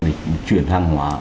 để chuyển hàng hóa